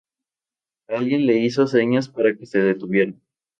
Alguien le hizo señas para que se detuviera.